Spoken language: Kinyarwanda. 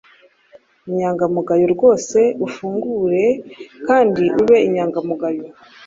Ba inyangamugayo rwose ufungure kandi ube inyangamugayo